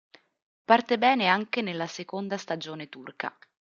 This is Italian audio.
Parte bene anche nella seconda stagione turca.